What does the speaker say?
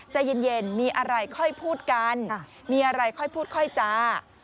ใจเย็นมีอะไรค่อยพูดกันมีอะไรค่อยพูดค่อยจ้า